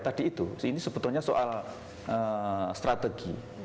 tadi itu ini sebetulnya soal strategi